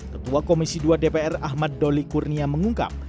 ketua komisi dua dpr ahmad doli kurnia mengungkap